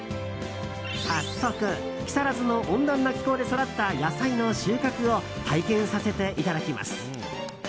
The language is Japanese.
早速、木更津の温暖な気候で育った野菜の収穫を体験させていただきます。